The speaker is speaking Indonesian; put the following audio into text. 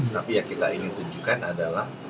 tapi yang kita ingin tunjukkan adalah